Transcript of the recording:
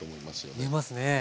見えますね。